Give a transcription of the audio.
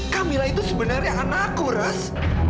camilla itu sebenarnya anakku ras